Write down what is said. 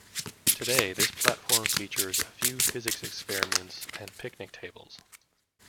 Today, this platform features a few physics experiments and picnic tables.